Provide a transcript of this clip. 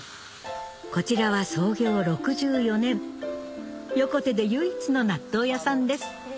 こちらは創業６４年横手で唯一の納豆屋さんです